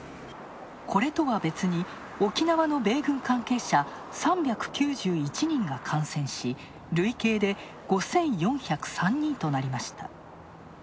これとは別に沖縄の米軍関係者、３９１人が感染し、累計で５４０３人となりました。